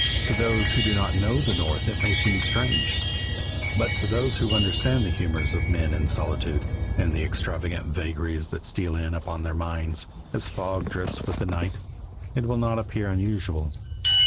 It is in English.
To those who do not know the North it may seem strange, but to those who understand the humors of men in solitude, and the extravagant vagaries that steal in upon their minds, as fog drifts with the night, it will not appear unusual.